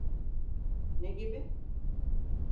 Ne gibi?